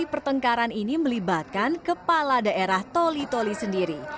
dan pertengkaran ini melibatkan kepala daerah toli toli sendiri